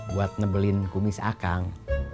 buat nebelin kumis akang